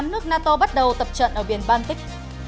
một mươi tám nước nato bắt đầu tập trận ở biển baltic